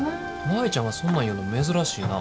舞ちゃんがそんなん言うの珍しいな。